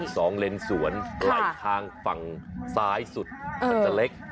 สองเลนสวนไหลทางฝั่งซ้ายสุดมันจะเล็ก